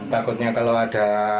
takutnya kalau ada